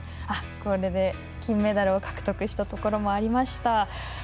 金メダルを獲得したところもありました。